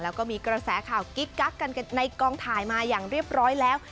แล้วก็มีกระแสข่าวกิ๊กกักกันในกองถ่ายมาอย่างเรียบร้อยแล้ว